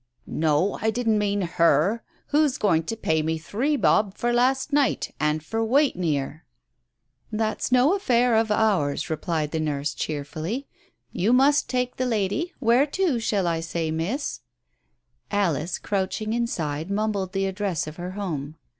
"No, I didn't mean her. Who's going to pay me three bob for last night and for waiting 'ere ?..." "That's no affair of ours," replied the nurse cheer fully. "You must take the lady — where to, shall I say, Miss?" Alice, crouching inside, mumbled the address of her home.